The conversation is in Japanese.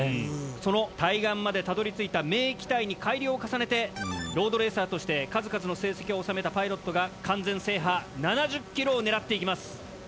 その対岸までたどり着いた名機体に改良を重ねてロードレーサーとして数々の成績を収めたパイロットが完全制覇７０ｋｍを狙っていきます。